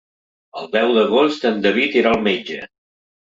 El deu d'agost en David irà al metge.